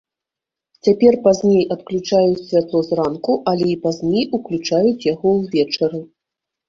Цяпер пазней адключаюць святло зранку, але і пазней уключаюць яго ўвечары.